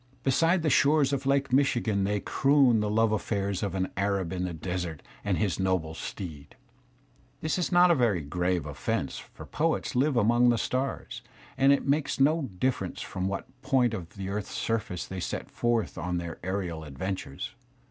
Beside the shores of Lake Michigan they croon the love affairs of an Arab in the desert and his noble steed. This is not a very grave offence, for poets live among the stars, and it makes no difference from what point Digitized by Google GENERAL CHARACTERISTICS 9 of the earth*s surface they set forth on their aerial adventures.